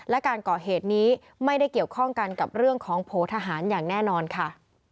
และการก่อเหตุนี้ไม่ได้เกี่ยวข้องกันกับเรื่องของโพทหารอย่างแน่นอนค่ะ